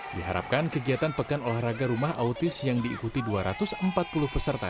diharapkan kegiatan pekan olahraga rumah autis yang diikuti dua ratus empat puluh peserta